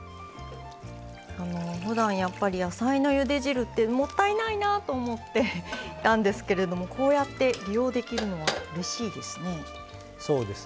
ふだん、やっぱり野菜のゆで汁ってもったいないなと思っていたんですけどこうやって利用できるのはうれしいですね。